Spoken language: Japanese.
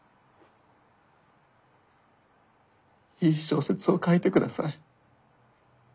いい小説を書いて下さい。